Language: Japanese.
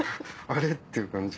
「あれ？」っていう感じ。